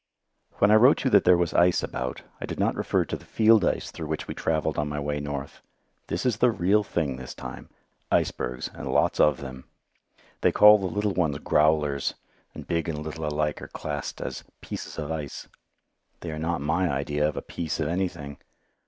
When I wrote you that there was ice about, I did not refer to the field ice through which we travelled on my way north. This is the real thing this time icebergs, and lots of them. They call the little ones "growlers," and big and little alike are classed as "pieces of ice"! They are not my idea of a "piece" of anything.